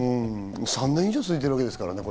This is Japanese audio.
３年以上続いてるわけですからね。